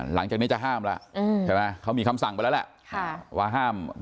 หลังจากนี้จะห้ามแล้วเขามีคำสั่งไปแล้วว่าห้าม